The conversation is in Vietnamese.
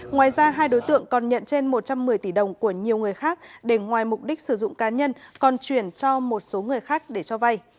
ngoài ra hai đối tượng còn nhận trên một trăm một mươi tỷ đồng của nhiều người khác để ngoài mục đích sử dụng cá nhân còn chuyển cho một số người khác để cho vay